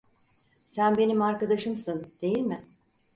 Sen benim arkadaşımsın, değil mi?